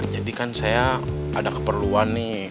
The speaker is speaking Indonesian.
jadi kan saya ada keperluan nih